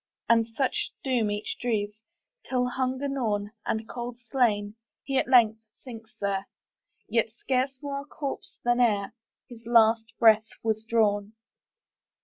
And such doom each drees, Till, hunger gnawn, And cold slain, he at length sinks there, Yet scarce more a corpse than ereHis last breath was drawn.